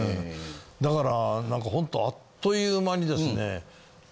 だからなんかほんとあっという間にですね。